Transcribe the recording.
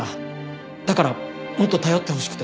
だからもっと頼ってほしくて。